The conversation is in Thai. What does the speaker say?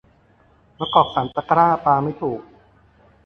มะกอกสามตะกร้า ปาไม่ถูก